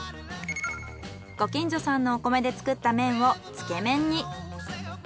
ご近所さんのお米で作った麺をつけ麺に。